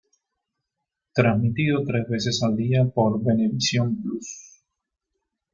Transmitido tres veces al día por Venevisión Plus.